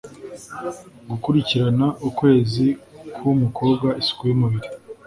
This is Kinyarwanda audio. gukurikirana ukwezi kwu mukobwa isuku y'umubiri